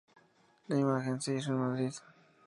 La imagen se hizo en Madrid"".